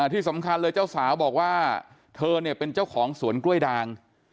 ที่สำคัญเลยเจ้าสาวบอกว่าเธอเนี่ยเป็นเจ้าของสวนกล้วยดาง